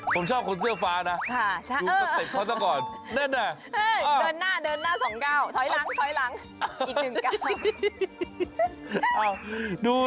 ผมชอบคนเสื้อฟ้านะดูเขาเตะเคราะห์ก่อนเด้นนะฮ่าอ้าว